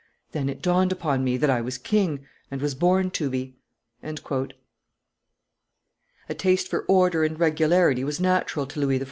Then it dawned upon me that I was king, and was born to be." A taste for order and regularity was natural to Louis XIV.